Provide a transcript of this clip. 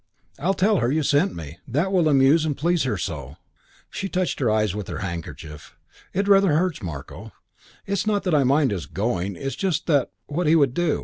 I'll tell her you sent me. That will amuse and please her so.'" She touched her eyes with her handkerchief. "It rather hurts, Marko. It's not that I mind his going. It's just what he would do.